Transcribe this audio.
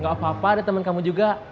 gak apa apa ada teman kamu juga